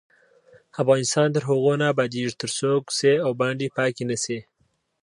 افغانستان تر هغو نه ابادیږي، ترڅو کوڅې او بانډې پاکې نشي.